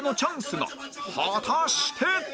果たして？